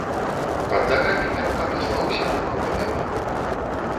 Пад нагамі мякка паслаўся мохавы дыван.